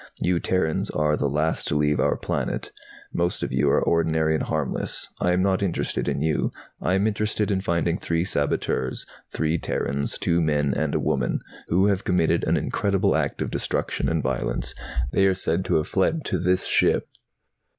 "You Terrans are the last to leave our planet. Most of you are ordinary and harmless I am not interested in you. I am interested in finding three saboteurs, three Terrans, two men and a woman, who have committed an incredible act of destruction and violence. They are said to have fled to this ship."